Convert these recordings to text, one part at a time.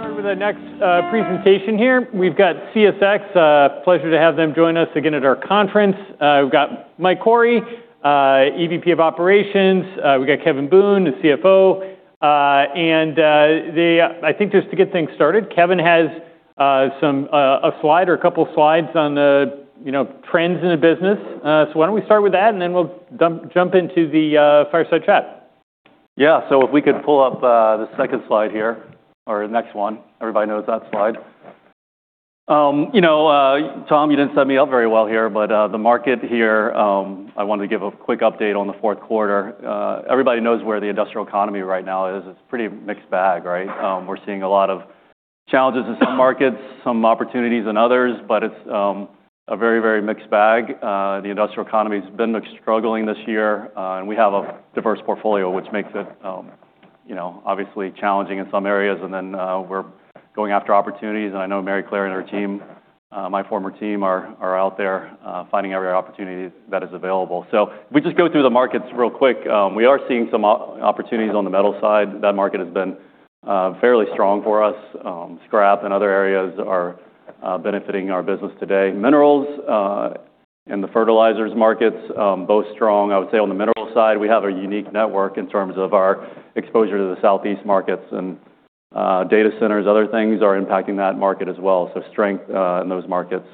Start with our next presentation here. We've got CSX, a pleasure to have them join us again at our conference. We've got Mike Cory, EVP of Operations. We've got Kevin Boone, the CFO. I think just to get things started, Kevin has a slide or a couple of slides on the trends in the business. Why don't we start with that, and then we'll jump into the fireside chat? Yeah, so if we could pull up the second slide here, or the next one, everybody knows that slide. You know,, you did not set me up very well here, but the market here, I wanted to give a quick update on the fourth quarter. Everybody knows where the industrial economy right now is. It is a pretty mixed bag, right? We are seeing a lot of challenges in some markets, some opportunities in others, but it is a very, very mixed bag. The industrial economy has been struggling this year, and we have a diverse portfolio, which makes it obviously challenging in some areas. We are going after opportunities. I know Maryclare and her team, my former team, are out there finding every opportunity that is available. If we just go through the markets real quick, we are seeing some opportunities on the metal side. That market has been fairly strong for us. Scrap and other areas are benefiting our business today. Minerals and the fertilizers markets are both strong. I would say on the mineral side, we have a unique network in terms of our exposure to the Southeast markets. Data centers, other things are impacting that market as well. Strength in those markets.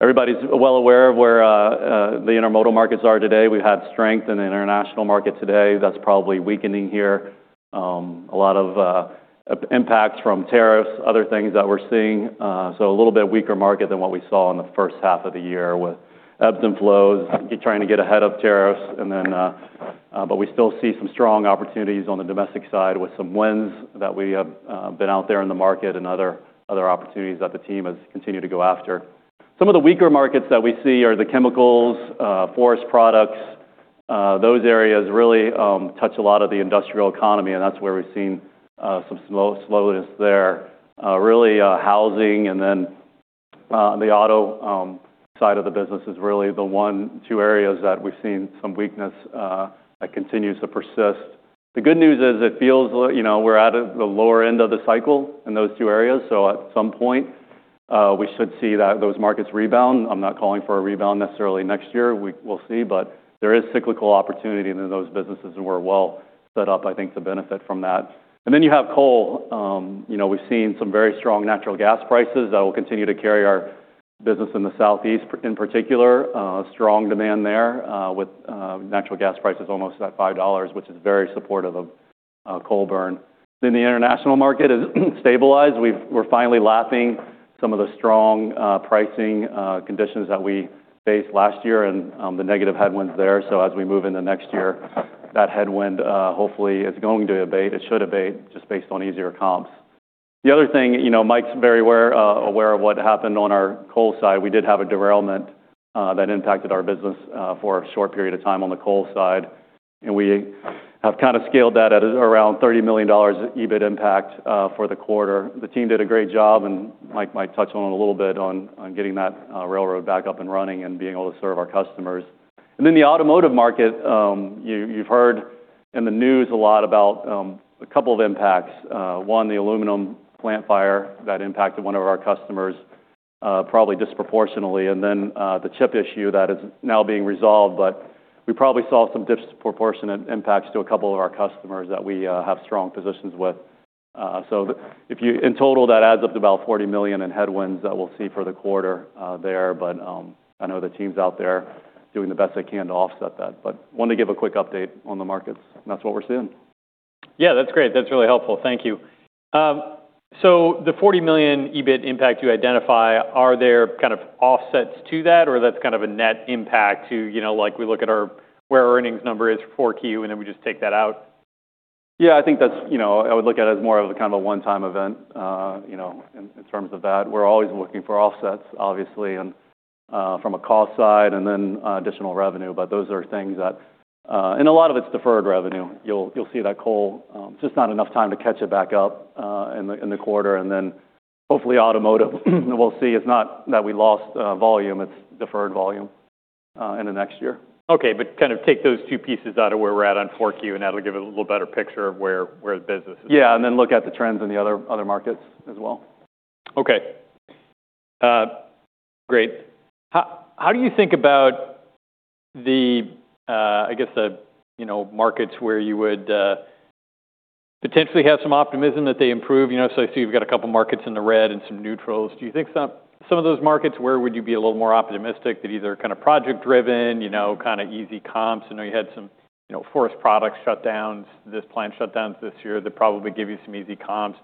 Everybody's well aware of where the intermodal markets are today. We've had strength in the international market today. That's probably weakening here. A lot of impacts from tariffs, other things that we're seeing. A little bit weaker market than what we saw in the first half of the year with ebbs and flows, trying to get ahead of tariffs. We still see some strong opportunities on the domestic side with some wins that we have been out there in the market and other opportunities that the team has continued to go after. Some of the weaker markets that we see are the chemicals, forest products. Those areas really touch a lot of the industrial economy, and that's where we've seen some slowness there. Really, housing and then the auto side of the business is really the one or two areas that we've seen some weakness that continues to persist. The good news is it feels like we're at the lower end of the cycle in those two areas. At some point, we should see those markets rebound. I'm not calling for a rebound necessarily next year. We'll see. There is cyclical opportunity in those businesses, and we're well set up, I think, to benefit from that. You have coal. We've seen some very strong natural gas prices that will continue to carry our business in the Southeast in particular. Strong demand there with natural gas prices almost at $5, which is very supportive of coal burn. The international market has stabilized. We're finally lapping some of the strong pricing conditions that we faced last year and the negative headwinds there. As we move into next year, that headwind hopefully is going to abate. It should abate just based on easier comps. The other thing, you know Mike's very aware of what happened on our coal side. We did have a derailment that impacted our business for a short period of time on the coal side. We have kind of scaled that at around $30 million EBIT impact for the quarter. The team did a great job, and Mike might touch on it a little bit on getting that railroad back up and running and being able to serve our customers. The automotive market, you've heard in the news a lot about a couple of impacts. One, the aluminum plant fire that impacted one of our customers probably disproportionately. The chip issue that is now being resolved. We probably saw some disproportionate impacts to a couple of our customers that we have strong positions with. In total, that adds up to about $40 million in headwinds that we'll see for the quarter there. I know the team's out there doing the best they can to offset that. I wanted to give a quick update on the markets. That's what we're seeing. Yeah, that's great. That's really helpful. Thank you. The $40 million EBIT impact you identify, are there kind of offsets to that, or that's kind of a net impact to like we look at where our earnings number is 4Q, and then we just take that out? Yeah, I think that's, I would look at it as more of a kind of a one-time event in terms of that. We're always looking for offsets, obviously, from a cost side and then additional revenue. But those are things that, and a lot of it's deferred revenue. You'll see that coal, just not enough time to catch it back up in the quarter. And then hopefully automotive, we'll see. It's not that we lost volume. It's deferred volume in the next year. Okay, kind of take those two pieces out of where we're at on 4Q, and that'll give a little better picture of where the business is. Yeah, and then look at the trends in the other markets as well. Okay, great. How do you think about the, I guess, markets where you would potentially have some optimism that they improve? I see you've got a couple of markets in the red and some neutrals. Do you think some of those markets, where would you be a little more optimistic? That either kind of project-driven, kind of easy comps. I know you had some forest product shutdowns, this plant shutdowns this year that probably give you some easy comps.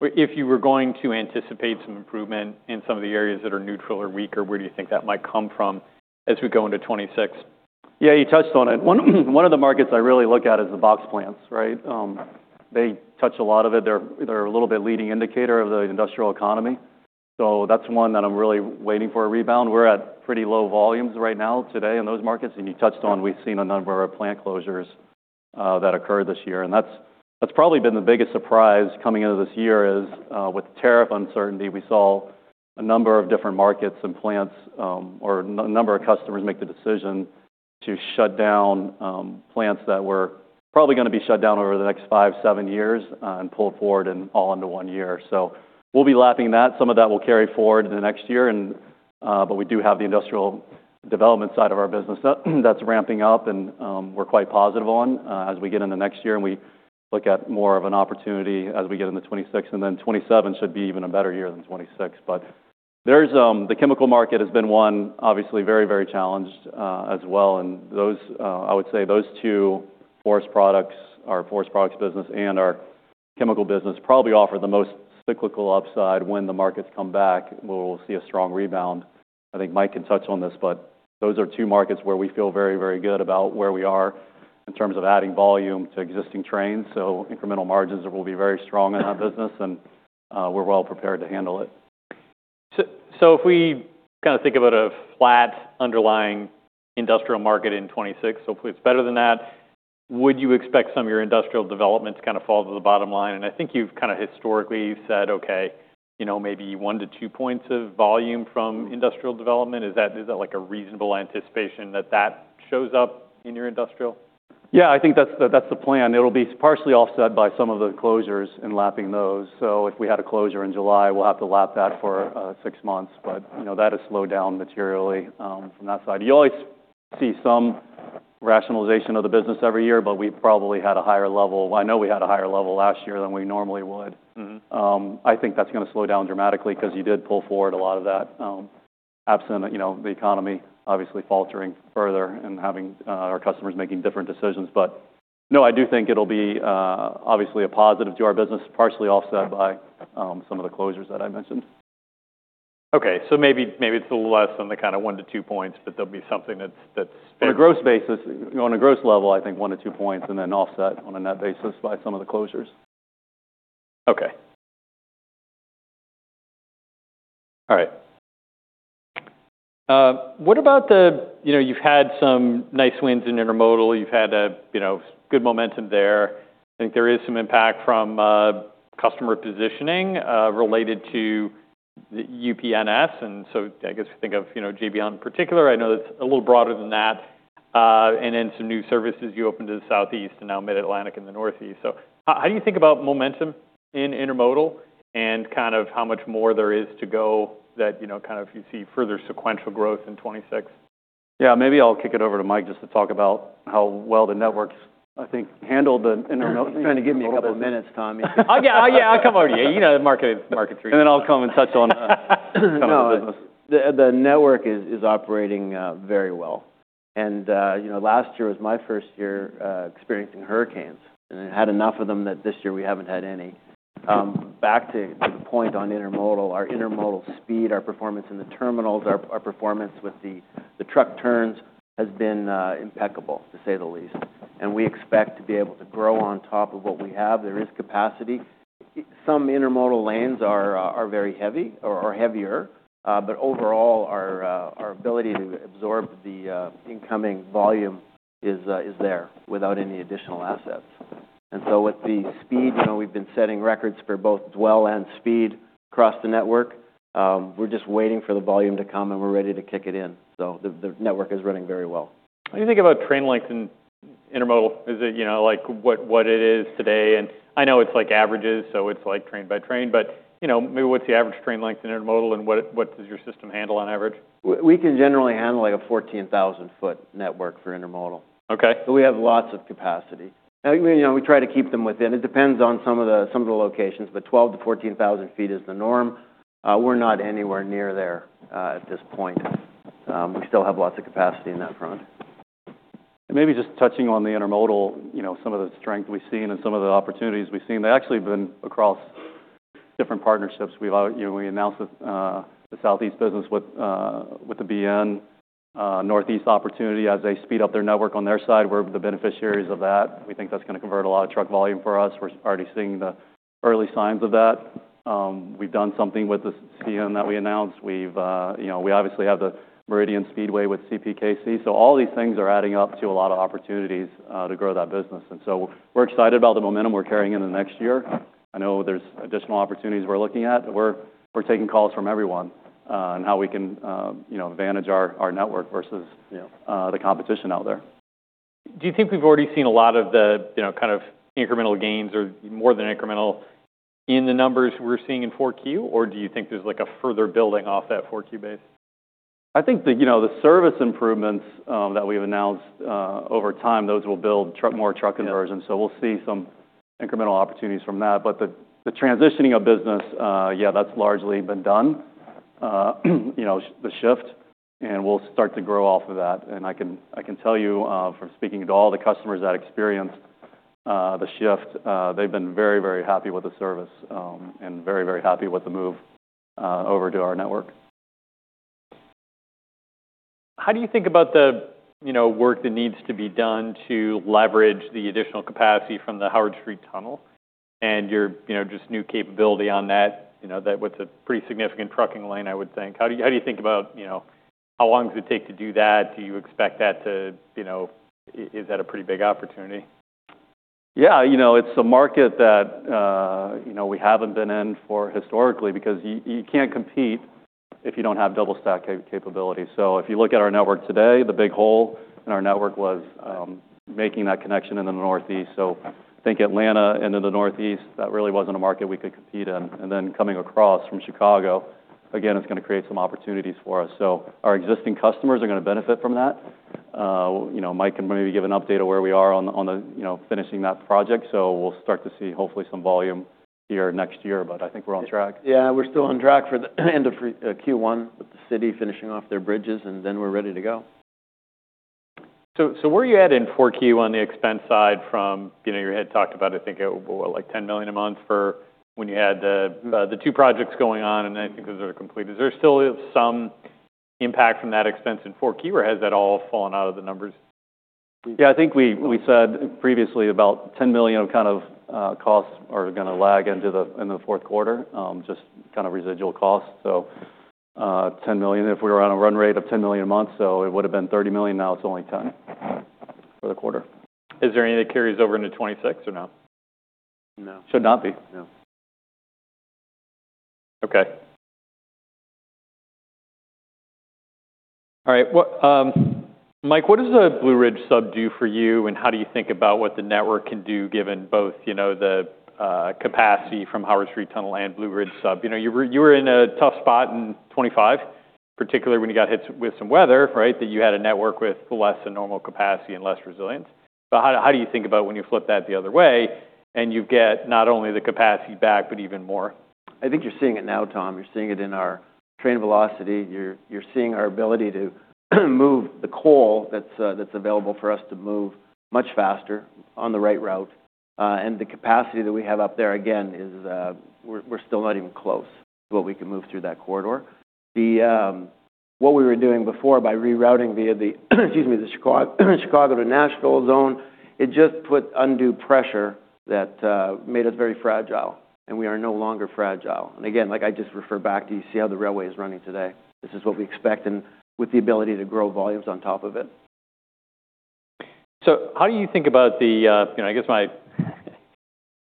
If you were going to anticipate some improvement in some of the areas that are neutral or weaker, where do you think that might come from as we go into 2026? Yeah, you touched on it. One of the markets I really look at is the box plants, right? They touch a lot of it. They're a little bit leading indicator of the industrial economy. That is one that I'm really waiting for a rebound. We're at pretty low volumes right now today in those markets. You touched on we've seen a number of plant closures that occurred this year. That has probably been the biggest surprise coming into this year is with tariff uncertainty. We saw a number of different markets and plants or a number of customers make the decision to shut down plants that were probably going to be shut down over the next five to seven years and pulled forward and all into one year. We will be lapping that. Some of that will carry forward in the next year. We do have the industrial development side of our business that's ramping up, and we're quite positive on as we get into next year. We look at more of an opportunity as we get into 2026 and then 2027 should be even a better year than 2026. The chemical market has been one, obviously, very, very challenged as well. I would say those two, forest products, our forest products business and our chemical business, probably offer the most cyclical upside when the markets come back. We will see a strong rebound. I think Mike can touch on this, but those are two markets where we feel very, very good about where we are in terms of adding volume to existing trains. Incremental margins will be very strong in that business, and we're well prepared to handle it. If we kind of think about a flat underlying industrial market in 2026, hopefully it's better than that, would you expect some of your industrial development to kind of fall to the bottom line? I think you've kind of historically said, okay, maybe one to two percentage points of volume from industrial development. Is that like a reasonable anticipation that that shows up in your industrial? Yeah, I think that's the plan. It'll be partially offset by some of the closures and lapping those. If we had a closure in July, we'll have to lap that for six months. That has slowed down materially from that side. You always see some rationalization of the business every year, but we probably had a higher level. I know we had a higher level last year than we normally would. I think that's going to slow down dramatically because you did pull forward a lot of that absent the economy obviously faltering further and having our customers making different decisions. I do think it'll be obviously a positive to our business, partially offset by some of the closures that I mentioned. Okay, so maybe it's a little less on the kind of one to two points, but there'll be something that's. On a gross basis, on a gross level, I think one to two points and then offset on a net basis by some of the closures. Okay. All right. What about the, you've had some nice wins in intermodal. You've had good momentum there. I think there is some impact from customer positioning related to UP/NS. I guess think of J.B. Hunt on particular. I know it's a little broader than that. You opened some new services to the Southeast and now Mid-Atlantic and the Northeast. How do you think about momentum in intermodal and kind of how much more there is to go that you see further sequential growth in 2026? Yeah, maybe I'll kick it over to Mike just to talk about how well the networks, I think, handled the intermodal. He's trying to give me a couple of minutes, Tommy. Yeah, I'll come over to you. You know the market. I'll come and touch on. The network is operating very well. Last year was my first year experiencing hurricanes. I had enough of them that this year we haven't had any. Back to the point on intermodal, our intermodal speed, our performance in the terminals, our performance with the truck turns has been impeccable, to say the least. We expect to be able to grow on top of what we have. There is capacity. Some intermodal lanes are very heavy or heavier. Overall, our ability to absorb the incoming volume is there without any additional assets. With the speed, we've been setting records for both dwell and speed across the network. We're just waiting for the volume to come, and we're ready to kick it in. The network is running very well. How do you think about train length in intermodal? Is it like what it is today? I know it's like averages, so it's like train by train. Maybe what's the average train length in intermodal, and what does your system handle on average? We can generally handle like a 14,000-foot network for intermodal. We have lots of capacity. We try to keep them within. It depends on some of the locations, but 12,000-14,000 feet is the norm. We are not anywhere near there at this point. We still have lots of capacity in that front. Maybe just touching on the intermodal, some of the strength we've seen and some of the opportunities we've seen, they actually have been across different partnerships. We announced the Southeast business with the BN Northeast opportunity as they speed up their network on their side. We're the beneficiaries of that. We think that's going to convert a lot of truck volume for us. We're already seeing the early signs of that. We've done something that we announced. We obviously have the Meridian Speedway with CPKC. All these things are adding up to a lot of opportunities to grow that business. We're excited about the momentum we're carrying into next year. I know there's additional opportunities we're looking at. We're taking calls from everyone on how we can manage our network versus the competition out there. Do you think we've already seen a lot of the kind of incremental gains or more than incremental in the numbers we're seeing in 4Q, or do you think there's like a further building off that 4Q base? I think the service improvements that we've announced over time, those will build more truck conversion. We'll see some incremental opportunities from that. The transitioning of business, yeah, that's largely been done, the shift. We'll start to grow off of that. I can tell you from speaking to all the customers that experienced the shift, they've been very, very happy with the service and very, very happy with the move over to our network. How do you think about the work that needs to be done to leverage the additional capacity from the Howard Street Tunnel and your just new capability on that with a pretty significant trucking lane, I would think? How do you think about how long does it take to do that? Do you expect that to is that a pretty big opportunity? Yeah, it's a market that we haven't been in for historically because you can't compete if you don't have double-stack capability. If you look at our network today, the big hole in our network was making that connection into the Northeast. I think Atlanta into the Northeast, that really wasn't a market we could compete in. Coming across from Chicago, again, it's going to create some opportunities for us. Our existing customers are going to benefit from that. Mike can maybe give an update of where we are on finishing that project. We'll start to see hopefully some volume here next year. I think we're on track. Yeah, we're still on track for the end of Q1 with the city finishing off their bridges, and then we're ready to go. Were you adding Q on the expense side from your head talked about, I think, what, like $10 million a month for when you had the two projects going on, and I think those are completed. Is there still some impact from that expense in 4Q, or has that all fallen out of the numbers? Yeah, I think we said previously about $10 million of kind of costs are going to lag into the fourth quarter, just kind of residual costs. $10 million, if we were on a run rate of $10 million a month, it would have been $30 million. Now it is only $10 million for the quarter. Is there any that carries over into 2026 or no? No. Should not be. No. Okay. All right. Mike, what does the Blue Ridge Sub do for you, and how do you think about what the network can do given both the capacity from Howard Street Tunnel and Blue Ridge Sub? You were in a tough spot in 2025, particularly when you got hit with some weather, right, that you had a network with less than normal capacity and less resilience. How do you think about when you flip that the other way and you get not only the capacity back, but even more? I think you're seeing it now, Tom. You're seeing it in our train velocity. You're seeing our ability to move the coal that's available for us to move much faster on the right route. The capacity that we have up there, again, we're still not even close to what we can move through that corridor. What we were doing before by rerouting via the, excuse me, the Chicago to Nashville zone, it just put undue pressure that made us very fragile, and we are no longer fragile. Like I just referred back to, you see how the railway is running today. This is what we expect and with the ability to grow volumes on top of it. How do you think about the, I guess,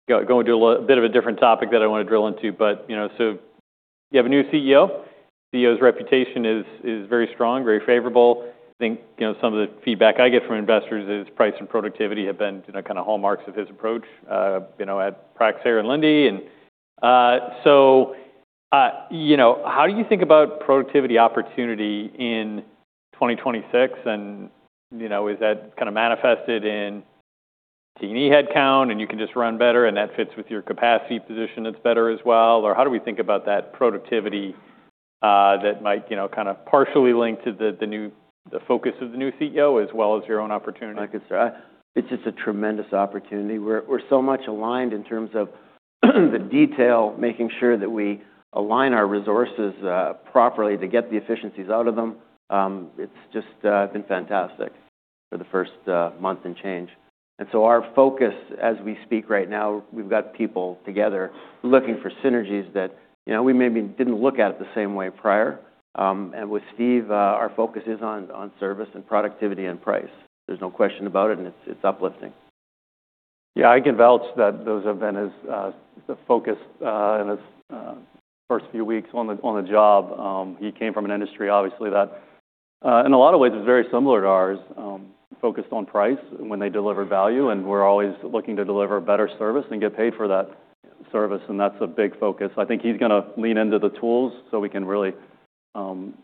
going to a bit of a different topic that I want to drill into, but you have a new CEO. The CEO's reputation is very strong, very favorable. I think some of the feedback I get from investors is price and productivity have been kind of hallmarks of his approach at Praxair and Linde. How do you think about productivity opportunity in 2026? Is that kind of manifested in T&E headcount, and you can just run better, and that fits with your capacity position that's better as well? How do we think about that productivity that might kind of partially link to the focus of the new CEO as well as your own opportunity? I could say it's just a tremendous opportunity. We're so much aligned in terms of the detail, making sure that we align our resources properly to get the efficiencies out of them. It's just been fantastic for the first month and change. Our focus as we speak right now, we've got people together looking for synergies that we maybe didn't look at it the same way prior. With, our focus is on service and productivity and price. There's no question about it, and it's uplifting. Yeah, I can vouch that those have been the focus in his first few weeks on the job. He came from an industry, obviously, that in a lot of ways is very similar to ours, focused on price when they deliver value. We're always looking to deliver better service and get paid for that service. That's a big focus. I think he's going to lean into the tools so we can really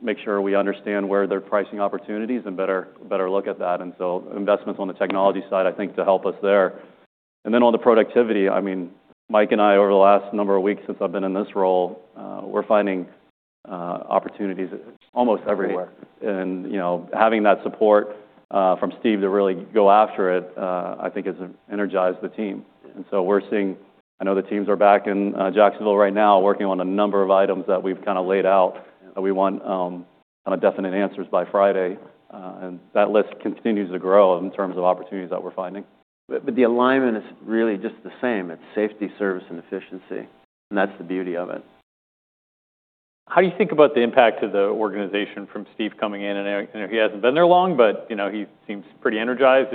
make sure we understand where there are pricing opportunities and better look at that. Investments on the technology side, I think, to help us there. On the productivity, I mean, Mike and I, over the last number of weeks since I've been in this role, we're finding opportunities almost everywhere. Having that support from Steve to really go after it, I think, has energized the team. We are seeing, I know the teams are back in Jacksonville right now working on a number of items that we have kind of laid out that we want definite answers by Friday. That list continues to grow in terms of opportunities that we are finding. The alignment is really just the same. It's safety, service, and efficiency. That's the beauty of it. How do you think about the impact to the organization from Steve coming in? He hasn't been there long, but he seems pretty energized.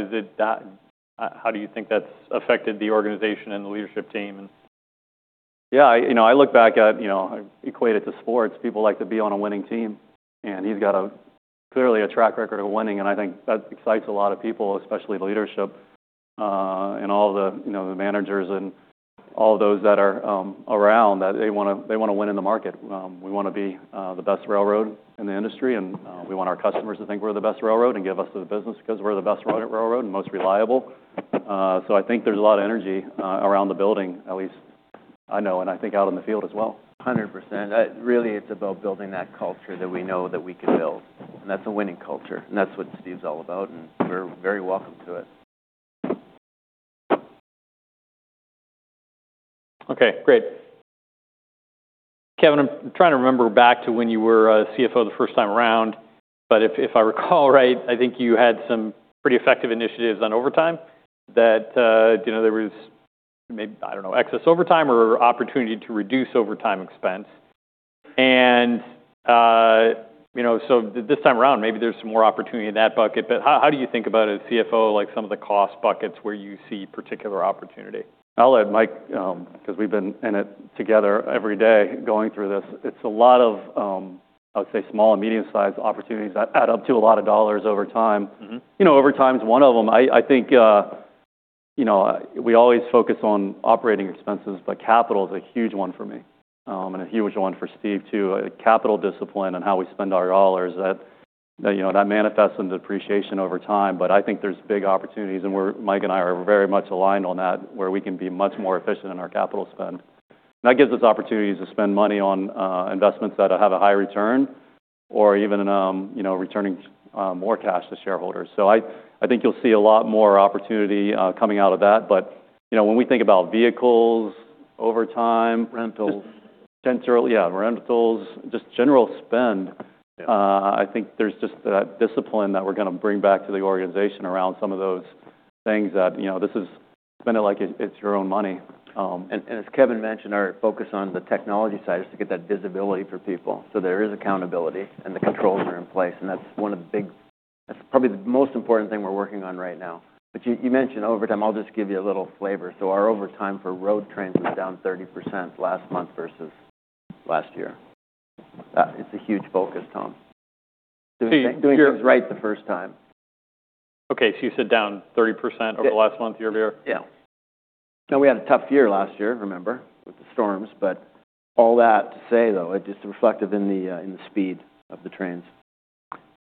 How do you think that's affected the organization and the leadership team? Yeah, I look back at, equate it to sports. People like to be on a winning team. He's got clearly a track record of winning. I think that excites a lot of people, especially the leadership and all the managers and all those that are around that they want to win in the market. We want to be the best railroad in the industry. We want our customers to think we're the best railroad and give us the business because we're the best railroad and most reliable. I think there's a lot of energy around the building, at least I know, and I think out in the field as well. 100%. Really, it's about building that culture that we know that we can build. That's a winning culture. That's what Steve's all about. We're very welcome to it. Okay, great. Kevin, I'm trying to remember back to when you were CFO the first time around. If I recall right, I think you had some pretty effective initiatives on overtime that there was maybe, I don't know, excess overtime or opportunity to reduce overtime expense. This time around, maybe there's some more opportunity in that bucket. How do you think about it as CFO, like some of the cost buckets where you see particular opportunity? I'll let Mike, because we've been in it together every day, going through this. It's a lot of, I would say, small and medium-sized opportunities that add up to a lot of dollars over time. Overtime is one of them. I think we always focus on operating expenses, but capital is a huge one for me and a huge one for Steve too. Capital discipline and how we spend our dollars, that manifests in depreciation over time. I think there's big opportunities. Mike and I are very much aligned on that, where we can be much more efficient in our capital spend. That gives us opportunities to spend money on investments that have a high return or even returning more cash to shareholders. I think you'll see a lot more opportunity coming out of that. When we think about vehicles, overtime, rentals, general, yeah, rentals, just general spend, I think there's just that discipline that we're going to bring back to the organization around some of those things that this is spend it like it's your own money. As Kevin mentioned, our focus on the technology side is to get that visibility for people. There is accountability, and the controls are in place. That is one of the big, probably the most important thing we are working on right now. You mentioned overtime. I will just give you a little flavor. Our overtime for road trains was down 30% last month versus last year. It is a huge focus, Tom. Doing things right the first time. Okay. So you said down 30% over the last month year-to-year? Yeah. Now, we had a tough year last year, remember, with the storms. All that to say, though, it just reflects in the speed of the trains.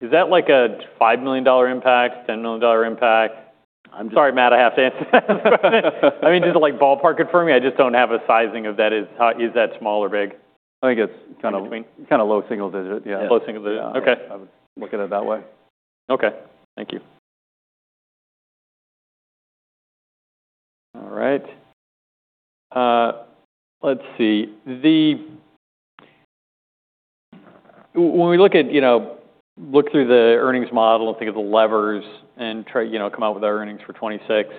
Is that like a $5 million impact, $10 million impact? Sorry, Matt, I have to answer. I mean, just like ballpark it for me. I just do not have a sizing of that. Is that small or big? I think it's kind of low single digit, yeah. Low single digit. Okay. I would look at it that way. Okay. Thank you. All right. Let's see. When we look at, look through the earnings model and think of the levers and come out with our earnings for 2026,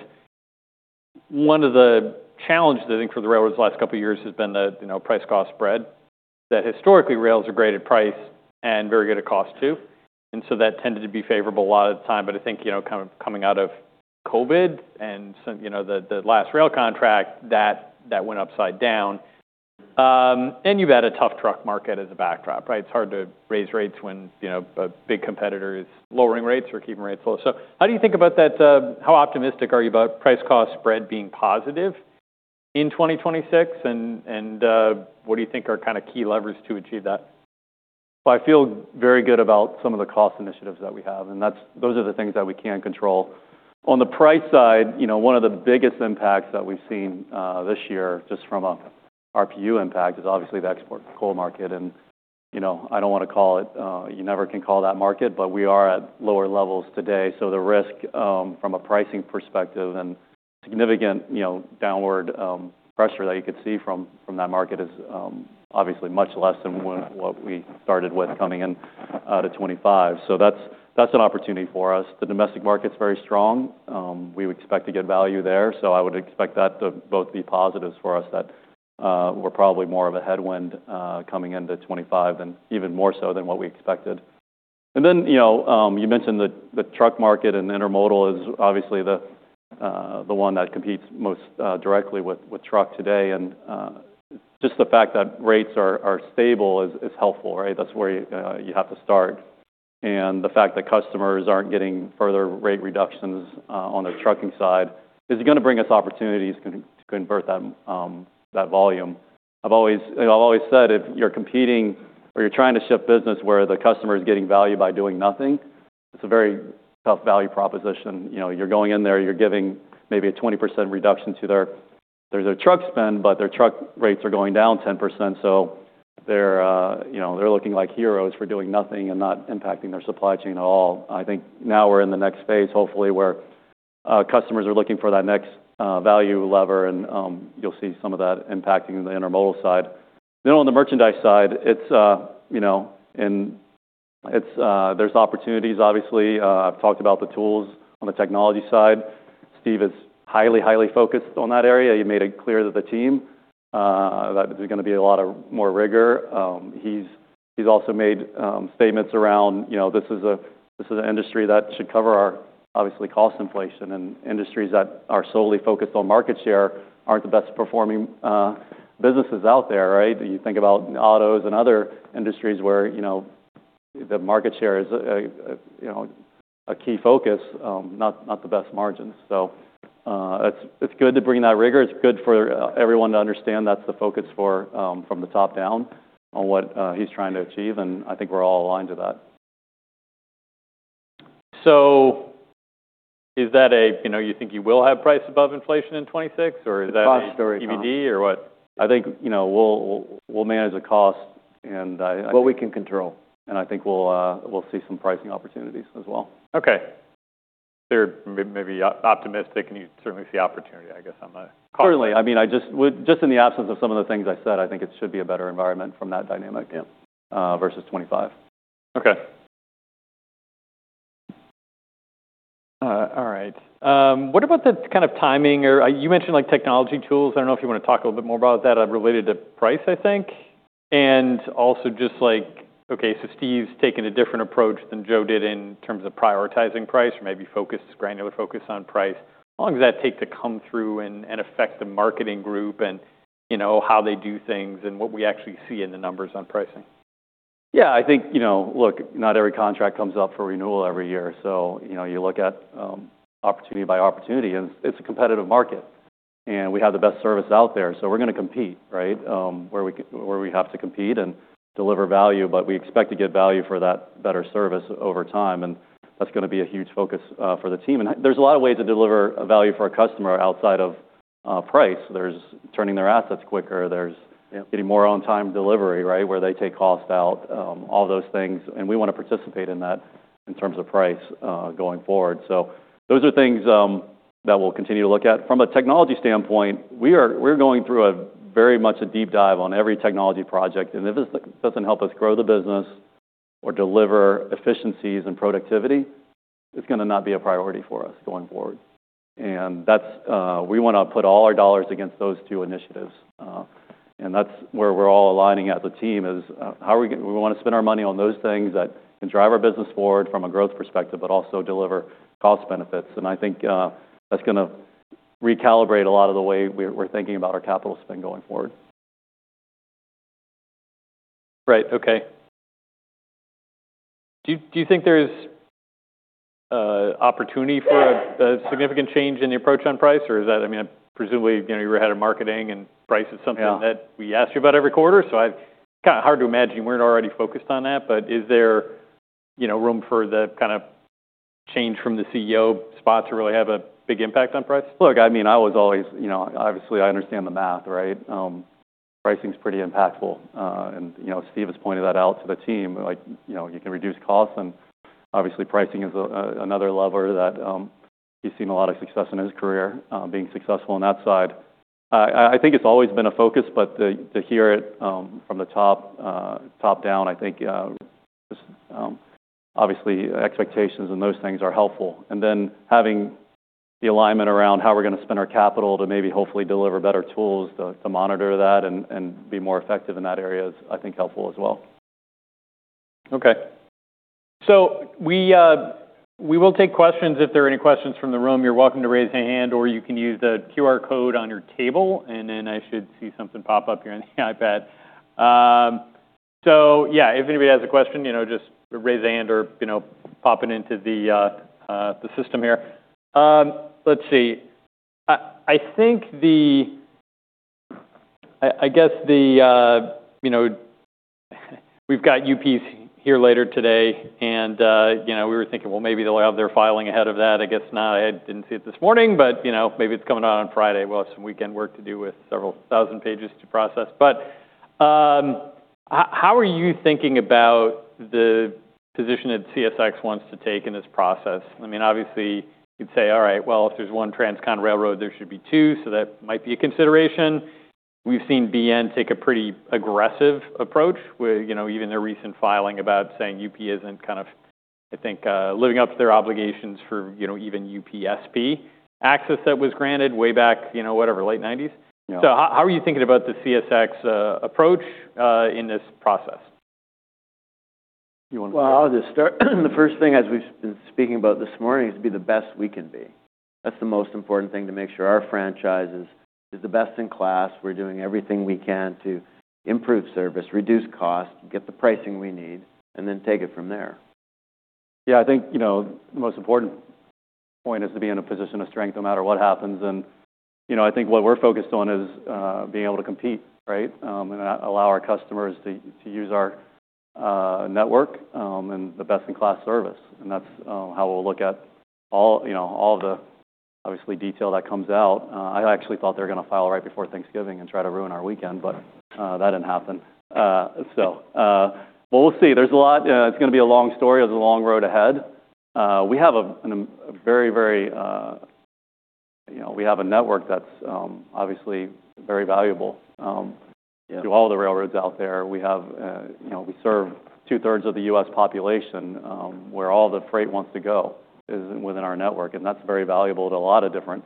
one of the challenges I think for the railroads last couple of years has been the price-cost spread that historically rails are great at price and very good at cost too. That tended to be favorable a lot of the time. I think coming out of COVID and the last rail contract, that went upside down. You've had a tough truck market as a backdrop, right? It's hard to raise rates when a big competitor is lowering rates or keeping rates low. How do you think about that? How optimistic are you about price-cost spread being positive in 2026? What do you think are kind of key levers to achieve that? I feel very good about some of the cost initiatives that we have. Those are the things that we can control. On the price side, one of the biggest impacts that we've seen this year just from an RPU impact is obviously the export coal market. I do not want to call it, you never can call that market, but we are at lower levels today. The risk from a pricing perspective and significant downward pressure that you could see from that market is obviously much less than what we started with coming into 2025. That is an opportunity for us. The domestic market's very strong. We expect to get value there. I would expect that to both be positives for us that were probably more of a headwind coming into 2025 and even more so than what we expected. You mentioned the truck market and intermodal is obviously the one that competes most directly with truck today. Just the fact that rates are stable is helpful, right? That is where you have to start. The fact that customers are not getting further rate reductions on the trucking side is going to bring us opportunities to convert that volume. I have always said if you are competing or you are trying to shift business where the customer is getting value by doing nothing, it is a very tough value proposition. You are going in there, you are giving maybe a 20% reduction to their truck spend, but their truck rates are going down 10% so They are looking like heroes for doing nothing and not impacting their supply chain at all. I think now we're in the next phase, hopefully, where customers are looking for that next value lever, and you'll see some of that impacting the intermodal side. Then on the merchandise side, there's opportunities, obviously. I've talked about the tools on the technology side. Steve is highly, highly focused on that area. He made it clear to the team that there's going to be a lot more rigor. He's also made statements around this is an industry that should cover our, obviously, cost inflation. Industries that are solely focused on market share aren't the best-performing businesses out there, right? You think about autos and other industries where the market share is a key focus, not the best margins. It is good to bring that rigor. It is good for everyone to understand that's the focus from the top down on what he's trying to achieve. I think we're all aligned to that. Is that a, you think you will have price above inflation in 2026, or is that TBD or what? I think we'll manage the cost and what we can control. I think we'll see some pricing opportunities as well. Okay. Maybe optimistic, and you certainly see opportunity, I guess, on the cost. Certainly. I mean, just in the absence of some of the things I said, I think it should be a better environment from that dynamic versus 2025. Okay. All right. What about the kind of timing? You mentioned technology tools. I do not know if you want to talk a little bit more about that related to price, I think. Also just like, okay, Steve's taken a different approach than Joe did in terms of prioritizing price or maybe focus, granular focus on price. How long does that take to come through and affect the marketing group and how they do things and what we actually see in the numbers on pricing? Yeah, I think, look, not every contract comes up for renewal every year. You look at opportunity by opportunity, and it's a competitive market. We have the best service out there. We're going to compete, right, where we have to compete and deliver value. We expect to get value for that better service over time. That's going to be a huge focus for the team. There are a lot of ways to deliver value for a customer outside of price. There's turning their assets quicker. There's getting more on-time delivery, right, where they take cost out, all those things. We want to participate in that in terms of price going forward. Those are things that we'll continue to look at. From a technology standpoint, we're going through very much a deep dive on every technology project. If it doesn't help us grow the business or deliver efficiencies and productivity, it's going to not be a priority for us going forward. We want to put all our dollars against those two initiatives. That's where we're all aligning as a team is how we want to spend our money on those things that can drive our business forward from a growth perspective, but also deliver cost benefits. I think that's going to recalibrate a lot of the way we're thinking about our capital spend going forward. Right. Okay. Do you think there's opportunity for a significant change in the approach on price, or is that, I mean, presumably you were head of marketing, and price is something that we ask you about every quarter. So it's kind of hard to imagine you weren't already focused on that. But is there room for the kind of change from the CEO spot to really have a big impact on price? Look, I mean, I was always, obviously, I understand the math, right? Pricing is pretty impactful. And Steve has pointed that out to the team. You can reduce costs. Obviously, pricing is another lever that he's seen a lot of success in his career, being successful on that side. I think it's always been a focus, but to hear it from the top down, I think obviously expectations and those things are helpful. Having the alignment around how we're going to spend our capital to maybe hopefully deliver better tools to monitor that and be more effective in that area is, I think, helpful as well. Okay. We will take questions. If there are any questions from the room, you're welcome to raise a hand, or you can use the QR code on your table. I should see something pop up here on the iPad. If anybody has a question, just raise a hand or pop it into the system here. Let's see. I guess we've got UPs here later today. We were thinking, maybe they'll have their filing ahead of that. I guess now I didn't see it this morning, but maybe it's coming out on Friday. We'll have some weekend work to do with several thousand pages to process. How are you thinking about the position that CSX wants to take in this process? I mean, obviously, you'd say, all right, if there's one transcontinental railroad, there should be two. That might be a consideration. We've seen BN take a pretty aggressive approach, even their recent filing about saying UP is not kind of, I think, living up to their obligations for even UP/SP access that was granted way back, whatever, late 1990s. How are you thinking about the CSX approach in this process? I will just start. The first thing, as we have been speaking about this morning, is to be the best we can be. That is the most important thing to make sure our franchise is the best in class. We are doing everything we can to improve service, reduce cost, get the pricing we need, and then take it from there. Yeah, I think the most important point is to be in a position of strength no matter what happens. I think what we're focused on is being able to compete, right, and allow our customers to use our network and the best-in-class service. That's how we'll look at all of the, obviously, detail that comes out. I actually thought they were going to file right before Thanksgiving and try to ruin our weekend, but that didn't happen. We'll see. There's a lot. It's going to be a long story. There's a long road ahead. We have a very, very, we have a network that's obviously very valuable to all the railroads out there. We serve two-thirds of the U.S. population where all the freight wants to go is within our network. That's very valuable to a lot of different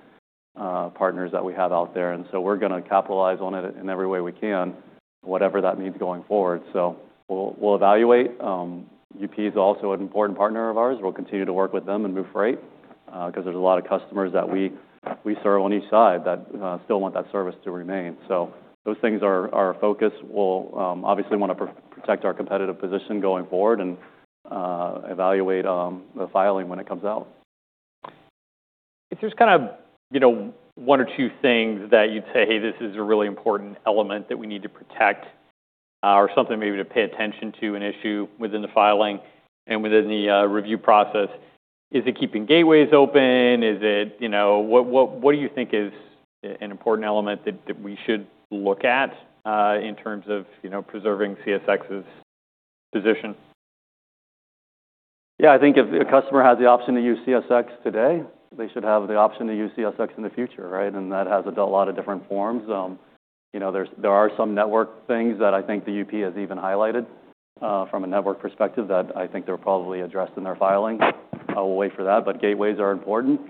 partners that we have out there. We're going to capitalize on it in every way we can, whatever that means going forward. We'll evaluate. UP is also an important partner of ours. We'll continue to work with them and move freight because there's a lot of customers that we serve on each side that still want that service to remain. Those things are our focus. We'll obviously want to protect our competitive position going forward and evaluate the filing when it comes out. If there's kind of one or two things that you'd say, "Hey, this is a really important element that we need to protect," or something maybe to pay attention to, an issue within the filing and within the review process, is it keeping gateways open? What do you think is an important element that we should look at in terms of preserving CSX's position? Yeah, I think if a customer has the option to use CSX today, they should have the option to use CSX in the future, right? That has a lot of different forms. There are some network things that I think the UP has even highlighted from a network perspective that I think they're probably addressed in their filing. We'll wait for that. Gateways are important.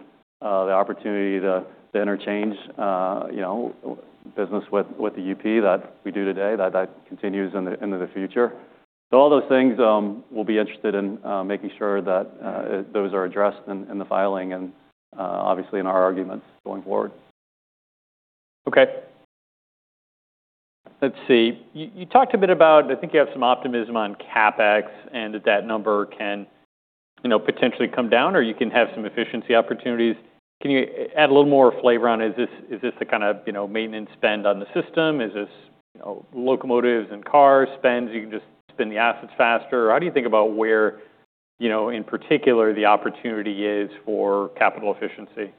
The opportunity to interchange business with the UP that we do today, that continues into the future. All those things, we'll be interested in making sure that those are addressed in the filing and obviously in our arguments going forward. Okay. Let's see. You talked a bit about, I think you have some optimism on CapEx and that that number can potentially come down, or you can have some efficiency opportunities. Can you add a little more flavor on, is this the kind of maintenance spend on the system? Is this locomotives and car spend? You can just spend the assets faster. How do you think about where, in particular, the opportunity is for capital efficiency?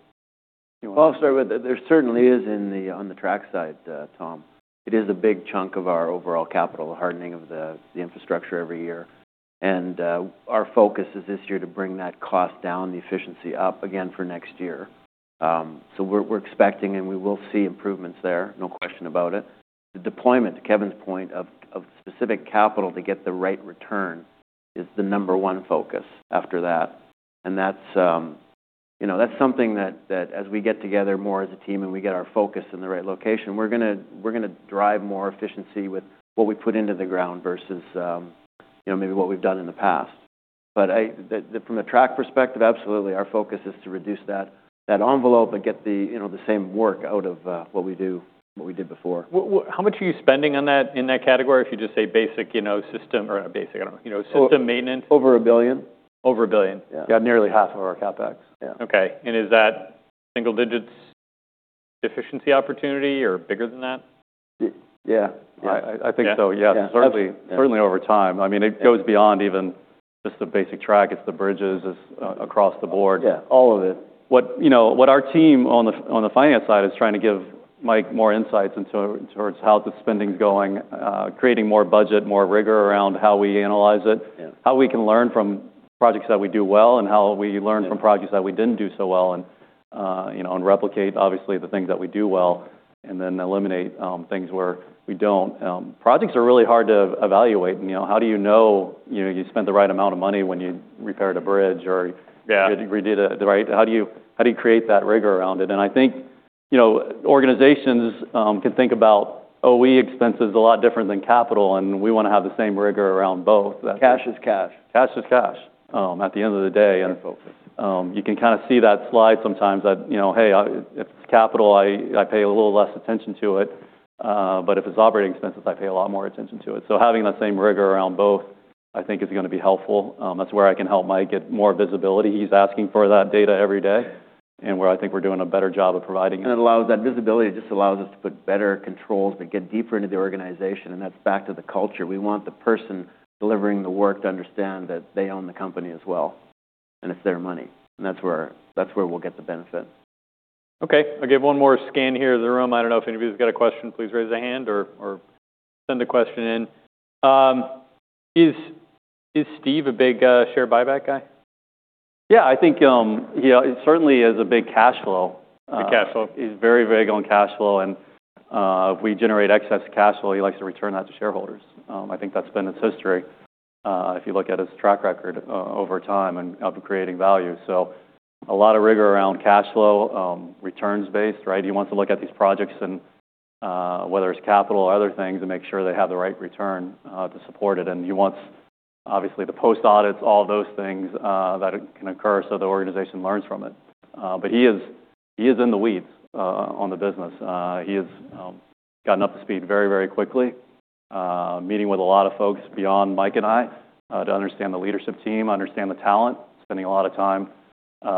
I'll start with it. There certainly is on the track side, Tom. It is a big chunk of our overall capital, the hardening of the infrastructure every year. Our focus is this year to bring that cost down, the efficiency up again for next year. We are expecting, and we will see improvements there, no question about it. The deployment, to Kevin's point, of specific capital to get the right return is the number one focus after that. That is something that, as we get together more as a team and we get our focus in the right location, we are going to drive more efficiency with what we put into the ground versus maybe what we have done in the past. From the track perspective, absolutely, our focus is to reduce that envelope and get the same work out of what we did before. How much are you spending on that in that category? If you just say basic system or basic, I don't know, system maintenance. Over a billion. Over a billion. Yeah. Got nearly half of our CapEx. Yeah. Okay. Is that single-digits efficiency opportunity or bigger than that? Yeah. I think so. Yeah, certainly over time. I mean, it goes beyond even just the basic track. It's the bridges across the board. Yeah, all of it. What our team on the finance side is trying to give Mike more insights into towards how the spending's going, creating more budget, more rigor around how we analyze it, how we can learn from projects that we do well, and how we learn from projects that we didn't do so well and replicate, obviously, the things that we do well and then eliminate things where we don't. Projects are really hard to evaluate. How do you know you spent the right amount of money when you repaired a bridge or you did it right? How do you create that rigor around it? Organizations can think about OE expenses a lot different than capital, and we want to have the same rigor around both. Cash is cash. Cash is cash at the end of the day. You can kind of see that slide sometimes that, hey, if it is capital, I pay a little less attention to it. If it is operating expenses, I pay a lot more attention to it. Having that same rigor around both, I think, is going to be helpful. That is where I can help Mike get more visibility. He is asking for that data every day and where I think we are doing a better job of providing it. It allows that visibility. It just allows us to put better controls and get deeper into the organization. That is back to the culture. We want the person delivering the work to understand that they own the company as well. It is their money. That is where we will get the benefit. Okay. I'll give one more scan here in the room. I don't know if anybody's got a question. Please raise a hand or send a question in. Is Steve a big share buyback guy? Yeah, I think he certainly is a big cash flow. Big cash flow. He's very big on cash flow. If we generate excess cash flow, he likes to return that to shareholders. I think that's been his history if you look at his track record over time and of creating value. A lot of rigor around cash flow, returns-based, right? He wants to look at these projects and whether it's capital or other things to make sure they have the right return to support it. He wants, obviously, the post-audits, all those things that can occur so the organization learns from it. He is in the weeds on the business. He has gotten up to speed very, very quickly, meeting with a lot of folks beyond Mike and I to understand the leadership team, understand the talent, spending a lot of time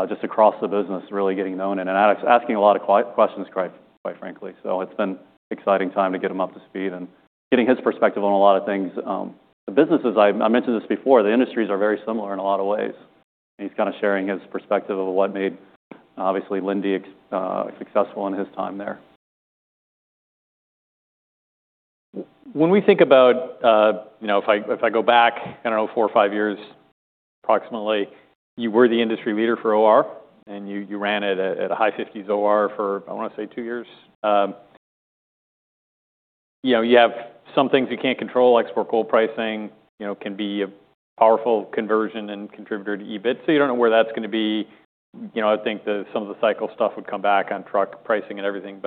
just across the business really getting known and asking a lot of questions, quite frankly. It has been an exciting time to get him up to speed and getting his perspective on a lot of things. The businesses, I mentioned this before, the industries are very similar in a lot of ways. He is kind of sharing his perspective of what made, obviously, Linde successful in his time there. When we think about, if I go back, I don't know, four or five years approximately, you were the industry leader for OR, and you ran it at a high-50s OR for, I want to say, two years. You have some things you can't control, like spot coal pricing can be a powerful conversion and contributor to EBIT. You don't know where that's going to be. I think some of the cycle stuff would come back on truck pricing and everything.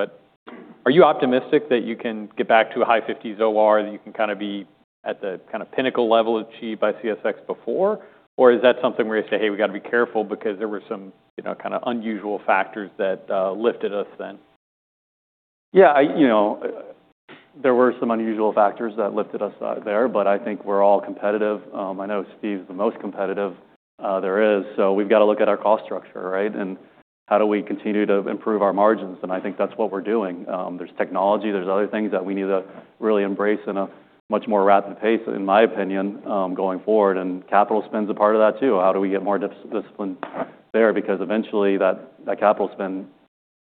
Are you optimistic that you can get back to a high-50s OR that you can kind of be at the kind of pinnacle level achieved by CSX before, or is that something where you say, "Hey, we got to be careful because there were some kind of unusual factors that lifted us then"? Yeah, there were some unusual factors that lifted us there, but I think we're all competitive. I know Steve's the most competitive there is. We've got to look at our cost structure, right, and how do we continue to improve our margins? I think that's what we're doing. There's technology. There are other things that we need to really embrace in a much more rapid pace, in my opinion, going forward. Capital spend's a part of that too. How do we get more discipline there? Eventually, that capital spend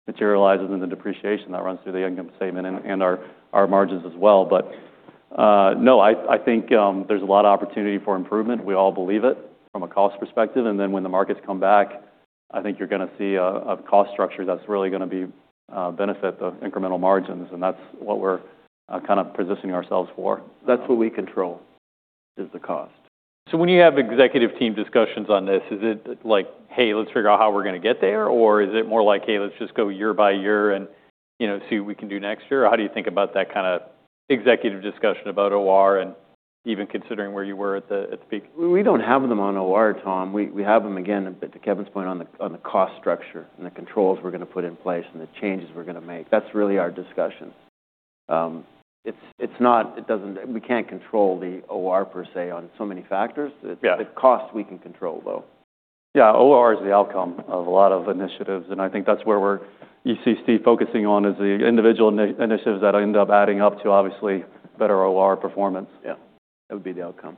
materializes into depreciation that runs through the income statement and our margins as well. I think there's a lot of opportunity for improvement. We all believe it from a cost perspective. When the markets come back, I think you're going to see a cost structure that's really going to benefit the incremental margins. That is what we are kind of positioning ourselves for. That is what we control is the cost. When you have executive team discussions on this, is it like, "Hey, let's figure out how we're going to get there," or is it more like, "Hey, let's just go year by year and see what we can do next year"? How do you think about that kind of executive discussion about OR and even considering where you were at the peak? We do not have them on OR, Tom. We have them, again, to Kevin's point, on the cost structure and the controls we are going to put in place and the changes we are going to make. That is really our discussion. It is not we cannot control the OR per se on so many factors. The cost we can control, though. Yeah, OR is the outcome of a lot of initiatives. I think that's where we're actually focusing on is the individual initiatives that end up adding up to, obviously, better OR performance. Yeah, that would be the outcome.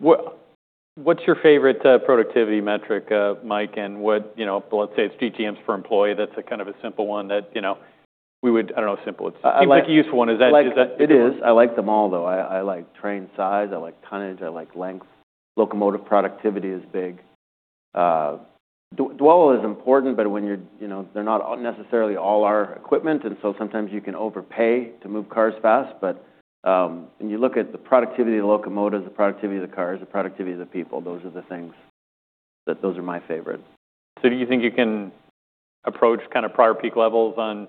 What's your favorite productivity metric, Mike? Let's say it's GTMs per employee. That's kind of a simple one that we would—I don't know if simple. It's like a useful one. It is. I like them all, though. I like train size. I like tonnage. I like length. Locomotive productivity is big. Dwell is important, but they're not necessarily all our equipment. Sometimes you can overpay to move cars fast. When you look at the productivity of the locomotives, the productivity of the cars, the productivity of the people, those are the things that those are my favorite. Do you think you can approach kind of prior peak levels on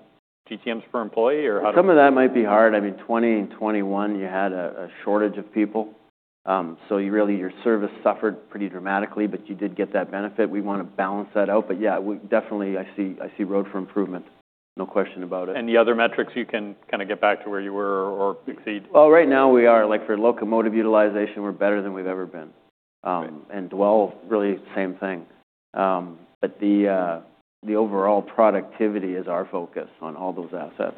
GTMs per employee or how? Some of that might be hard. I mean, 2021, you had a shortage of people. So really, your service suffered pretty dramatically, but you did get that benefit. We want to balance that out. Yeah, definitely, I see road for improvement. No question about it. Any other metrics you can kind of get back to where you were or exceed? Right now, we are like for locomotive utilization, we're better than we've ever been. And dwell, really, same thing. The overall productivity is our focus on all those assets.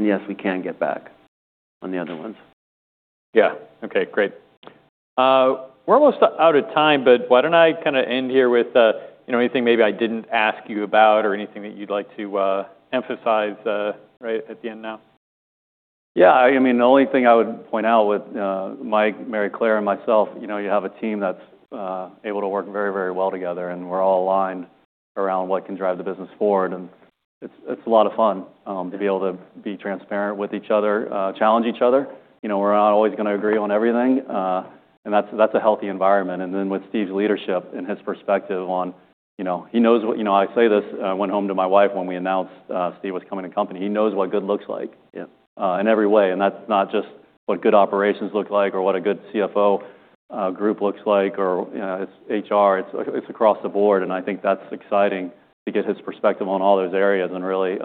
Yes, we can get back on the other ones. Yeah. Okay. Great. We're almost out of time, but why don't I kind of end here with anything maybe I didn't ask you about or anything that you'd like to emphasize right at the end now? Yeah. I mean, the only thing I would point out with Mike, Maryclare, and myself, you have a team that's able to work very, very well together. We're all aligned around what can drive the business forward. It's a lot of fun to be able to be transparent with each other, challenge each other. We're not always going to agree on everything. That's a healthy environment. With Steve's leadership and his perspective on he knows what—I say this—went home to my wife when we announced Steve was coming to the company. He knows what good looks like in every way. That's not just what good operations look like or what a good CFO group looks like or HR. It's across the board. I think that's exciting to get his perspective on all those areas and really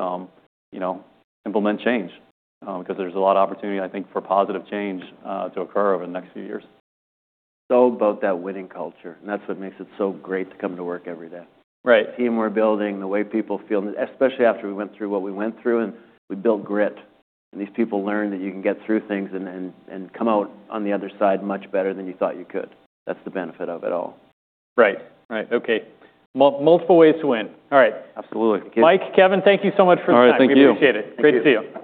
implement change because there's a lot of opportunity, I think, for positive change to occur over the next few years. About that winning culture. That's what makes it so great to come to work every day. Right. Team we're building, the way people feel, especially after we went through what we went through, and we built grit. These people learn that you can get through things and come out on the other side much better than you thought you could. That's the benefit of it all. Right. Right. Okay. Multiple ways to win. All right. Absolutely. Mike, Kevin, thank you so much for the time. All right. Thank you. We appreciate it. Great to see you.